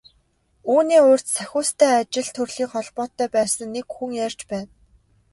Үүний урьд Сахиустай ажил төрлийн холбоотой байсан нэг хүн ярьж байна.